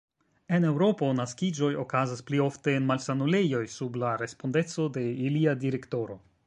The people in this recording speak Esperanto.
En Eŭropo naskiĝoj okazas pli ofte en malsanulejoj sub la respondeco de ilia direktoro.